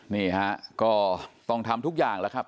นี่ฮะก็ต้องทำทุกอย่างแล้วครับ